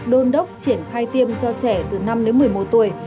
đôn đốc triển khai tiêm cho trẻ từ năm đến một mươi một tuổi